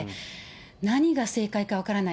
何が正解か分からない。